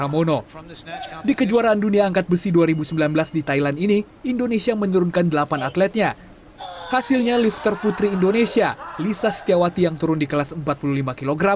menyebarkan dua medali perak